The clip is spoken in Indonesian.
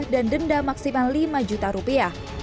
dan denda maksimal lima juta rupiah